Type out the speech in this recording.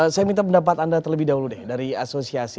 saya minta pendapat anda terlebih dahulu deh dari asosiasi